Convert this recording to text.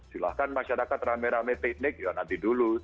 silahkan masyarakat rame rame teknik ya nanti dulu